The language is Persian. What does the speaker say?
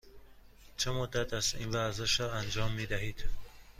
چه مدت است این ورزش را انجام می دهید؟